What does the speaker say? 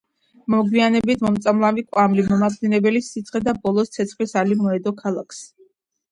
მოგვიანებით მომწამლავი კვამლი, მომაკვდინებელი სიცხე და ბოლოს – ცეცხლის ალი მოედო ქალაქს.